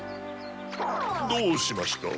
どうしました？